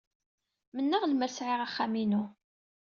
Mennaɣ lemmer sɛiɣ axxam-inu.